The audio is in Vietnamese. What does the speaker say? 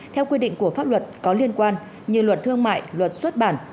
theo quy định của pháp luật có liên quan như luật thương mại luật xuất bản